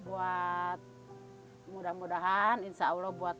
buat mudah mudahan insya allah buat